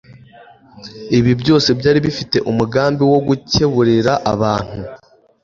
Ibi byose byari bifite umugambi wo gukeburira abantu